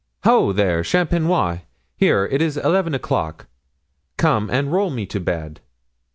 Ho, there, Champenois! here, it is eleven o'clock. Come and roll me to bed.